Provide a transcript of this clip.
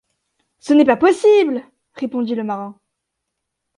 Ce n’est pas possible! répondit le marin.